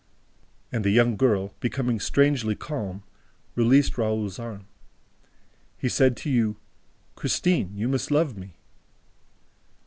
And the young girl, becoming strangely calm, released Raoul's arm. "He said to you, 'Christine, you must love me!'"